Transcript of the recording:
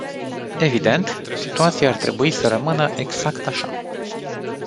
Evident, situația ar trebui să rămână exact așa.